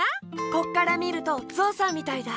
ここからみるとゾウさんみたいだ。